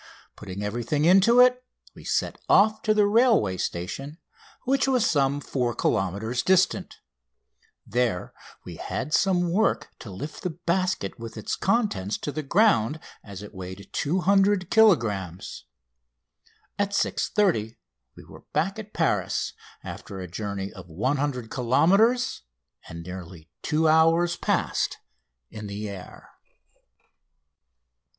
Putting everything into it we set off to the railway station, which was some 4 kilometres (2 1/2 miles) distant. There we had some work to lift the basket with its contents to the ground, as it weighed 200 kilogrammes (440 pounds). At 6.30 we were back at Paris, after a journey of 100 kilometres (more than 60 miles), and nearly two hours passed in the air.